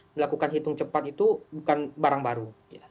melakukan hitung cepat itu bukan barang baru